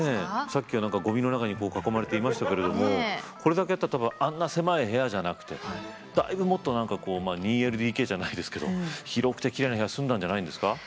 さっきは何かゴミの中に囲まれていましたけれどもこれだけあったら多分あんな狭い部屋じゃなくてだいぶもっと何かこう２ＬＤＫじゃないですけど広くてきれいな部屋住んだんじゃないんですか。